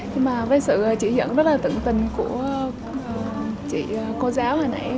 nhưng mà với sự chỉ dẫn rất là tận tình của cô giáo hồi nãy